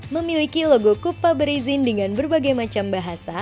memiliki logo kupa berizin dengan berbagai macam bahasa